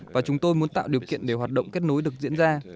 và chúng tôi muốn tạo điều kiện để hoạt động kết nối được diễn ra